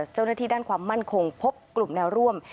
เจ้าหน้าที่ด้านความมั่นคงพบกลุ่มแนวร่วม